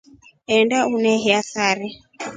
Enda uneheiya sari.